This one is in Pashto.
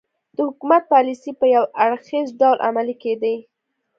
د حکومت پالیسۍ په یو اړخیز ډول عملي کېدې.